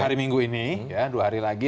hari minggu ini ya dua hari lagi